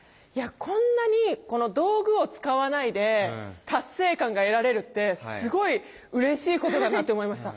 こんなに道具を使わないで達成感が得られるってすごいうれしいことだなって思いました。